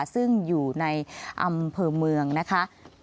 ซึ่งอยู่ในอำเภอเมืองนะคะ